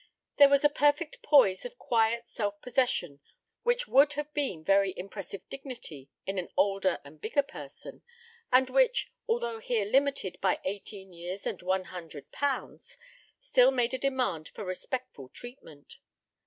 There was a perfect poise of quiet self possession which would have been very impressive dignity in an older and bigger person, and which, although here limited by eighteen years and one hundred pounds, still made a demand for respectful treatment.